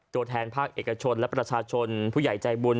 ตัวแทนภาคเอกชนและประชาชนผู้ใหญ่ใจบุญ